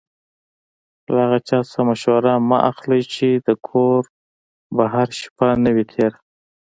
له هغه چا مشوره مه اخلئ چې د کوره بهر شپه نه وي تېره.